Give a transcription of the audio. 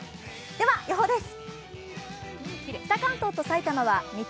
では予報です。